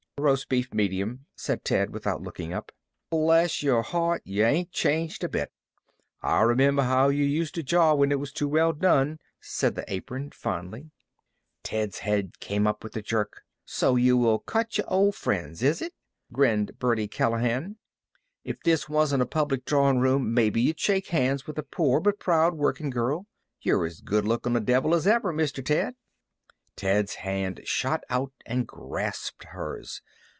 "Roast beef, medium," said Ted, without looking up. "Bless your heart, yuh ain't changed a bit. I remember how yuh used to jaw when it was too well done," said the Apron, fondly. Ted's head came up with a jerk. "So yuh will cut yer old friends, is it?" grinned Birdie Callahan. "If this wasn't a public dining room maybe yuh'd shake hands with a poor but proud workin' girrul. Yer as good lookin' a divil as ever, Mister Ted." Ted's hand shot out and grasped hers.